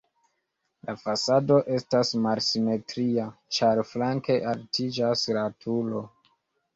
La fasado estas malsimetria, ĉar flanke altiĝas la turo.